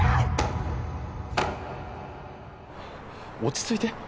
落ち着いて。